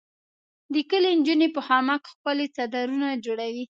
د کلي انجونې په خامک ښکلي څادرونه جوړوي.